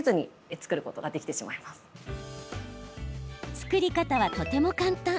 作り方は、とても簡単。